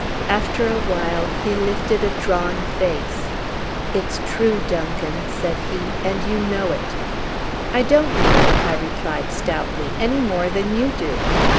After a while he lifted a drawn face. "It's true, Duncan," said he, "and you know it." "I don't know it," I replied stoutly, "any more than you do."